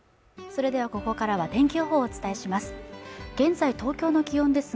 それではここからは天気予報をお伝えします